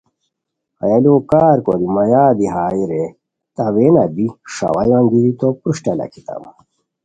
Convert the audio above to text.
ہیہ لوؤ کار کوری مہ یادی ہائے رے تاوینہ بی ݰاوایو انگیتی تو پروشٹہ لاکھیتام